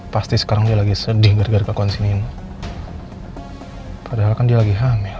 pasti sekarang lagi sedih gara gara konsumen padahal kan dia lagi hamil